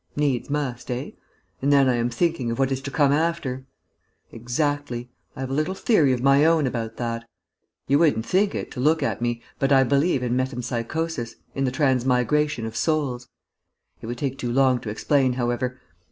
Needs must, eh?... And then I am thinking of what is to come after.... Exactly. I have a little theory of my own about that. You wouldn't think it, to look at me, but I believe in metempsychosis, in the transmigration of souls. It would take too long to explain, however....